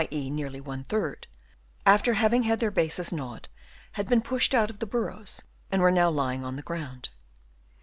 e. nearly one third), after having had their bases gnawed had been pushed out of the burrows and were now lying on the ground.